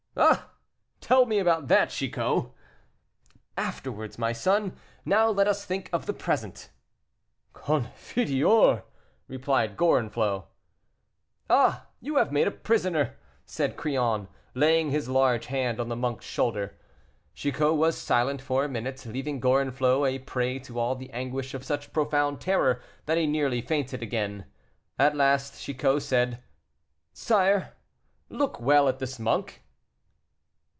"Ah! tell me about that, Chicot." "Afterwards, my son; now let us think of the present." "Confiteor," repeated Gorenflot. "Ah! you have made a prisoner," said Crillon, laying his large hand on the monk's shoulder. Chicot was silent for a minute, leaving Gorenflot a prey to all the anguish of such profound terror that he nearly fainted again. At last Chicot said, "Sire, look well at this monk."